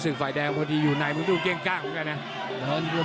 ถึงฝ่ายแดงพอที่อยู่ในมันต้องดูเกลี้ยงกล้างกันเนี่ย